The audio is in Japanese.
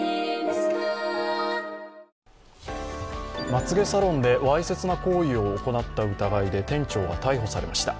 まつげサロンでわいせつな行為を行った疑いで店長が逮捕されました。